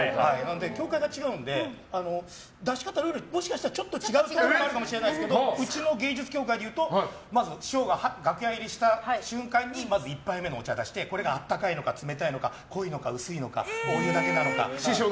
協会が違うので出し方のルールももしかしたらちょっと違うところがあるかもしれないですけどうちの芸術協会でいうとまず、師匠が楽屋入りした瞬間にまず１杯目のお茶を出してこれが温かいのか冷たいのか濃いのか薄いのかお湯だけなのか。